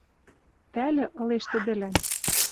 Пӓлӹ ылеш тӹдӹлӓн: